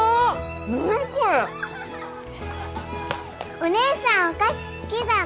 お姉さんお菓子好きなの？